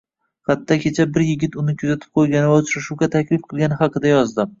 Xatda kecha bir yigit uni kuzatib qoʻygani va uchrashuvga taklif qilgani haqida yozdi